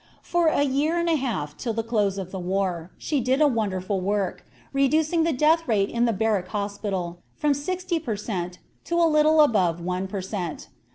For a year and a half, till the close of the war, she did a wonderful work, reducing the death rate in the Barrack Hospital from sixty per cent to a little above one per cent.